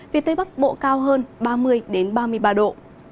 phía tây bắc bộ cao hơn ba mươi ba mươi ba độ